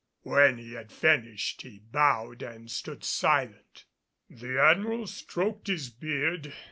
When he had finished he bowed and stood silent. The Admiral stroked his beard.